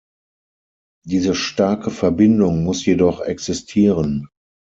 Diese starke Verbindung muss jedoch existieren.